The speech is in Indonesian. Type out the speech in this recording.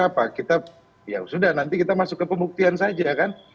saya pikirnya apa ya sudah nanti kita masuk ke pembuktian saja kan